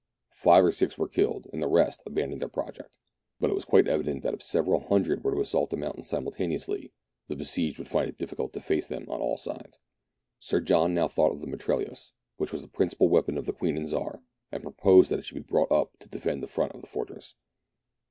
Five or six were killed, and the rest abandoned their project, but it was quite evident that if several hundred were to assault the mountain simultaneously, the besieged would find it difficult to face them on all sides. Sir John now thought of the mitrailleuse, which was the principal weapon of the " Queen and Czar," and proposed that it should be brought up to defend the front of the fortress.